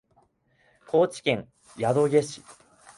高知県宿毛市